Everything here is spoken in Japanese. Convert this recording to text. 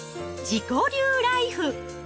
自己流ライフ。